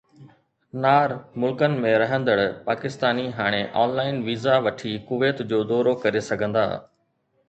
نار ملڪن ۾ رهندڙ پاڪستاني هاڻي آن لائن ويزا وٺي ڪويت جو دورو ڪري سگهندا